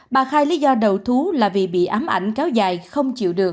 bà khai lý do đầu thú là vì bị ám ảnh kéo dài không chịu được